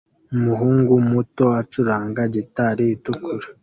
Umuhungu muto acuranga gitari itukura